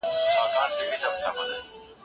پرله پسي کار کول د هر څېړونکي اصلي دنده ده.